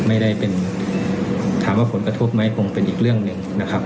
ไม่ได้เป็นถามว่าผลกระทบไหมคงเป็นอีกเรื่องหนึ่งนะครับ